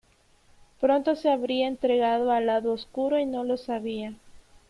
Pronto se habría entregado al lado oscuro y no lo sabía.